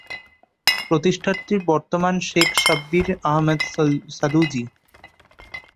প্রতিষ্ঠানটির বর্তমান প্রধান শেখ সাব্বির আহমেদ সালুুজি।